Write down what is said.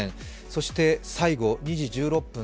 そして最後２時１６分。